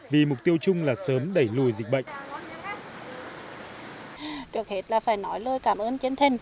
vì mục tiêu chung là sớm đẩy lùi dịch bệnh